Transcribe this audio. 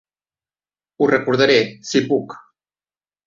Ho recordaré, si puc!